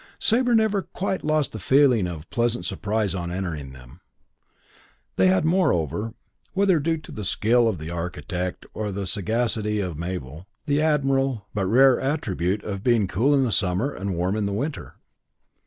Sabre never quite lost that feeling of pleasant surprise on entering them. They had moreover, whether due to the skill of the architect or the sagacity of Mabel, the admirable, but rare attribute of being cool in summer and warm in winter.